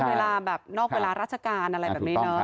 เวลาแบบนอกเวลาราชการอะไรแบบนี้เนอะ